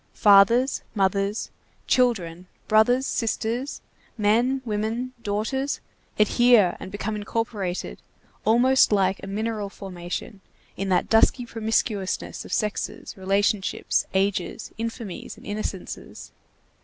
Fathers, mothers, children, brothers, sisters, men, women, daughters, adhere and become incorporated, almost like a mineral formation, in that dusky promiscuousness of sexes, relationships, ages, infamies, and innocences.